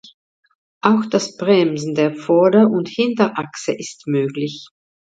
Auch das Bremsen der Vorder- und Hinterachse ist möglich.